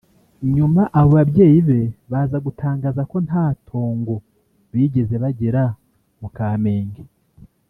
nyuma abo babyeyi be baza gutangaza ko nta tongo bigeze bagira mu Kamenge